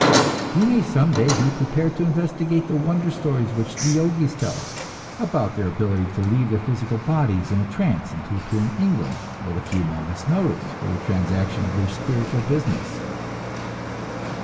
We may some day be prepared to investigate the wonder stories which the Yogis tell us, about their ability to leave their physical bodies in a trance, and to appear in England at a few moments' notice for the transaction of their spiritual business!